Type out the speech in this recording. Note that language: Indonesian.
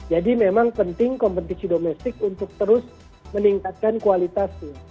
jadi memang penting kompetisi domestik untuk terus meningkatkan kualitasnya